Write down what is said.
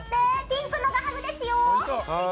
ピンクのがハグですよ！